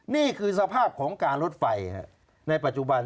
นี่คือสภาพของการลดไฟในปัจจุบัน